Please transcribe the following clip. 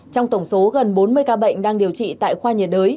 trong tổng số gần bốn mươi ca bệnh đang điều trị tại khoa nhiệt đới